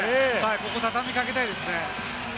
ここたたみかけたいですね。